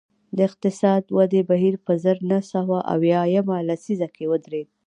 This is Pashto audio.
د اقتصادي ودې بهیر په زر نه سوه اویا یمه لسیزه کې ودرېد